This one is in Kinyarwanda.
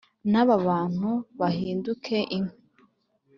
n aba bantu bahinduke inkwi